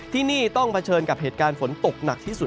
ที่นี่ต้องเผชิญกับเหตุการณ์ฝนตกหนักที่สุด